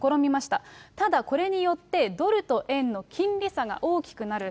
ただ、これによってドルと円の金利差が大きくなる。